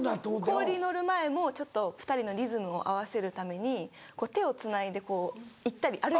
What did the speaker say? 氷に乗る前もちょっと２人のリズムを合わせるために手をつないで行ったり歩いたり。